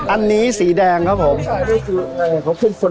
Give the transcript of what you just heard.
อันนี้สีแดงครับผม